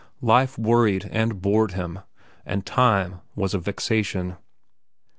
Life worried and bored him, and time was a vexation.